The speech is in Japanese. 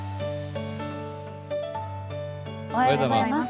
おはようございます。